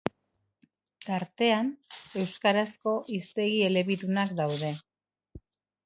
Tartean, euskarazko hiztegi elebidunak daude.